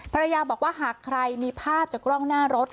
ภรรยาบอกว่าหากใครมีภาพจากกล้องหน้ารถ